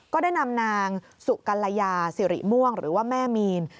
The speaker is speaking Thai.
ก็ได้นำนางสุกัลยาสิริม่วงหรือว่าแม่มีน